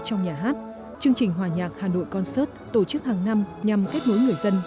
trong nhà hát chương trình hòa nhạc hà nội concert tổ chức hàng năm nhằm kết nối người dân